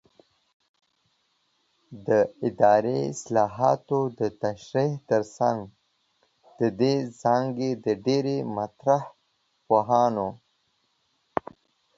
د اداري اصطلاحاتو د تشریح ترڅنګ د دې څانګې د ډېری مطرح پوهانو